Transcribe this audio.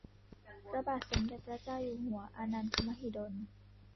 พระบาทสมเด็จพระเจ้าอยู่หัวอานันทมหิดล